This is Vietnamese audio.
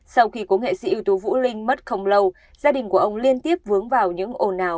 sau khi có nghệ sĩ ưu tú vũ linh mất không lâu gia đình của ông liên tiếp vướng vào những ồn ào